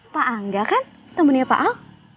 pak angga kan temennya pak ahok